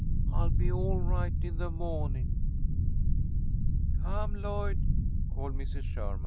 I'll be all right in the mawning." "Come, Lloyd," called Mrs. Sherman.